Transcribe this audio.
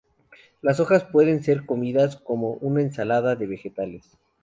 Las hojas pueden ser comidas como una ensalada de vegetales.